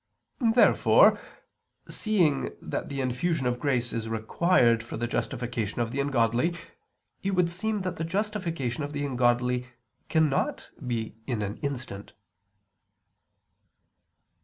Therefore, seeing that the infusion of grace is required for the justification of the ungodly, it would seem that the justification of the ungodly cannot be in an instant.